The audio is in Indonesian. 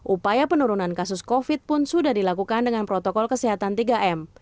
upaya penurunan kasus covid pun sudah dilakukan dengan protokol kesehatan tiga m